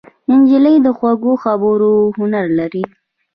نجلۍ د خوږو خبرو هنر لري.